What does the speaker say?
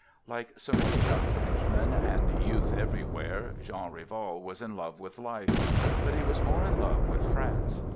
" Like so many young Frenchmen, and youth every where, Jean Rival was in love with life. But he was more in love with France.